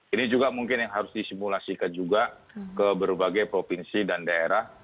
ini juga mungkin yang harus disimulasikan juga ke berbagai provinsi dan daerah